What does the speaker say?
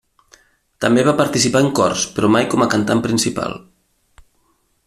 També va participar en cors, però mai com a cantant principal.